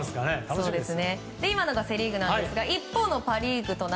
今のがセ・リーグですが一方のパ・リーグ。